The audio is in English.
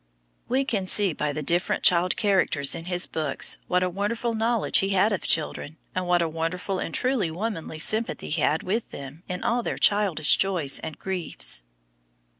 We can see by the different child characters in his books what a wonderful knowledge he had of children, and what a wonderful and truly womanly sympathy he had with them in all their childish joys and griefs.